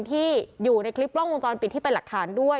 ที่อยู่ในคลิปกล้องวงจรปิดที่เป็นหลักฐานด้วย